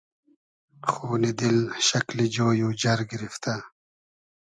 خونی دیل شئکلی جۉی و جئر گیریفتۂ